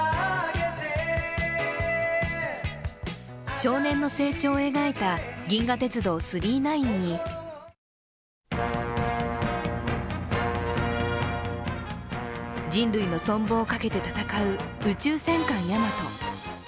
少年の成長を描いた「銀河鉄道９９９」に人類の存亡をかけて戦う「宇宙戦艦ヤマト」。